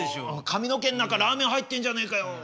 「髪の毛ん中ラーメン入ってんじゃねえかよ」とかね。